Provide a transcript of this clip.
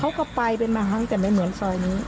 เขาก็ไปเป็นบางครั้งแต่ไม่เหมือนซอยนี้